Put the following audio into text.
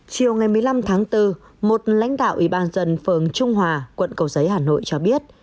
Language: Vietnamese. chiều ngày một mươi năm tháng bốn một lãnh đạo ủy ban dân phường trung hòa quận cầu giấy hà nội cho biết